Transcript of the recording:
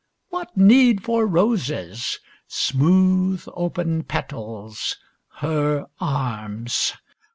What need for roses? Smooth, open petals her arms.